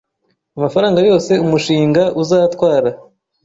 amafaranga yose umushinga uzatwara